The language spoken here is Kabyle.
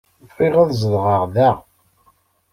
Bɣiɣ ad zedɣeɣ da.